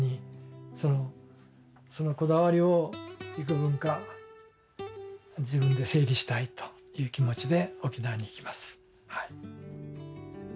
そのこだわりを幾分か自分で整理したいという気持ちで沖縄に行きますはい。